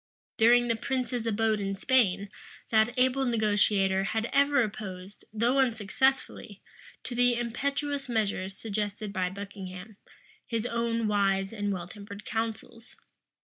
During the prince's abode in Spain, that able negotiator had ever opposed, though unsuccessfully, to the impetuous measures suggested by Buckingham, his own wise and well tempered counsels.